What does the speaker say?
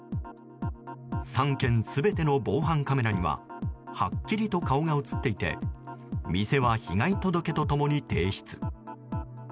３件全ての防犯カメラにははっきりと顔が映っていて店は被害届と共に提出。